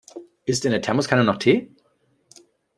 Ist in der Thermoskanne noch Tee?